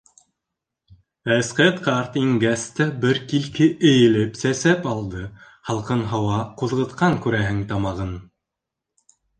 Әсҡәт ҡарт ингәс тә бер килке эйелеп сәсәп алды, һалҡын һауа ҡуҙғытҡан күрәһең тамағын.